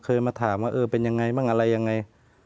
เคยมาถามว่าเออเป็นยังไงบ้างอะไรยังไง